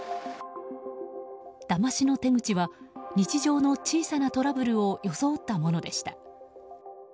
だましの手口は日常の小さなトラブルを装ったものでした。